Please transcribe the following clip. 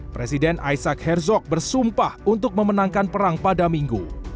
presiden isaac herzog bersumpah untuk memenangkan perang pada minggu